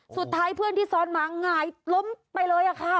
สุดท้ายเพื่อนที่ซ้อนหมาหงายล้มไปเลยค่ะ